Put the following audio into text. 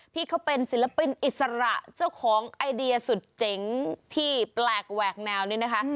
พี่เขาเป็นศิลปินอิสระเจ้าของไอเดียสุดเจ๋งที่แปลกแหวกแนวนี่นะคะ